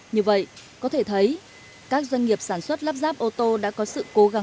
như vậy có thể thấy các doanh nghiệp sản xuất lắp ráp ô tô đã có sự cố gắng